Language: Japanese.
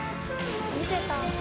見てた！